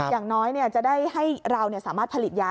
อย่างน้อยจะได้ให้เราสามารถผลิตยา